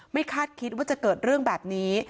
คาดคิดว่าจะเกิดเรื่องแบบนี้